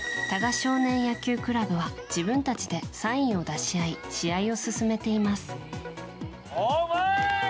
少年野球クラブは自分たちでサインを出し合い試合を進めています。